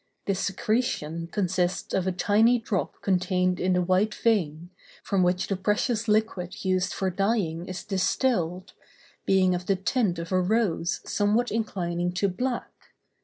This secretion consists of a tiny drop contained in a white vein, from which the precious liquid used for dyeing is distilled, being of the tint of a rose somewhat inclining to black.